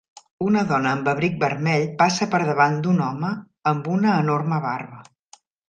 Una dona amb abric vermell passa per davant d'un home amb una enorme barba.